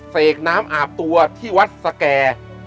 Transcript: เสกน้ำอาบตัวที่วัดสแก่